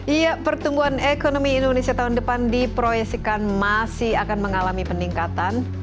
iya pertumbuhan ekonomi indonesia tahun depan diproyeksikan masih akan mengalami peningkatan